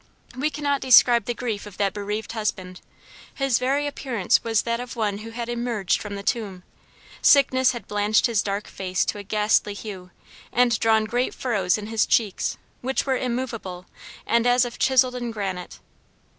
We cannot describe the grief of that bereaved husband. His very appearance was that of one who had emerged from the tomb. Sickness had blanched his dark face to a ghastly hue, and drawn great furrows in his cheeks, which were immovable, and as if chiseled in granite.